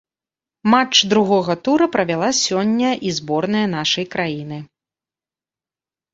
Матч другога тура правяла сёння і зборная нашай краіны.